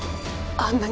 あんなに！